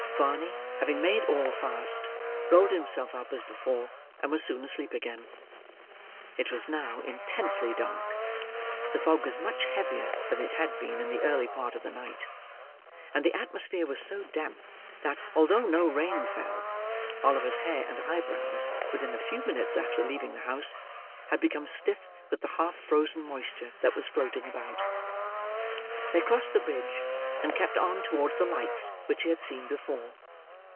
Barney, having made all fast, rolled himself up as before, and was soon asleep again. It was now intensely dark. The fog was much heavier than it had been in the early part of the night; and the atmosphere was so damp, that, although no rain fell, Oliver's hair and eyebrows, within a few minutes after leaving the house, had become stiff with the half frozen moisture that was floating about. They crossed the bridge, and kept on towards the lights which he had seen before.